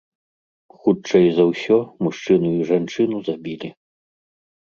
Хутчэй за ўсё, мужчыну і жанчыну забілі.